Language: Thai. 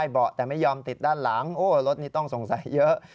เบาะแต่ไม่ยอมติดด้านหลังโอ้รถนี้ต้องสงสัยเยอะ